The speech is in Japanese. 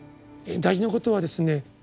大事なことはですね